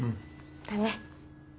だね。